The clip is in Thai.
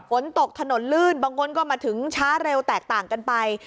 ฝนตกถนนลื่นบางคนก็มาถึงช้าเร็วแตกต่างกันไป